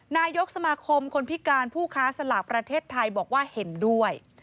นายกสมาคมคนพิการผู้ค้าสลากประเทศไทยบอกว่าเห็นด้วย